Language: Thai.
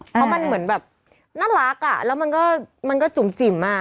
เพราะมันเหมือนแบบน่ารักอ่ะแล้วมันก็จุ่มจิ๋มอ่ะ